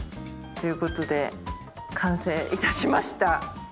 ということで完成いたしました。